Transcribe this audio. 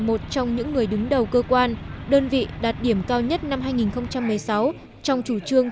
một trong những người đứng đầu cơ quan đơn vị đạt điểm cao nhất năm hai nghìn một mươi sáu trong chủ trương